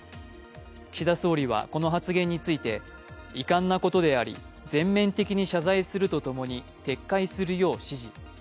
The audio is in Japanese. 岸田総理は、この発言について遺憾なことであり全面的に謝罪するとともに撤回するよう指示。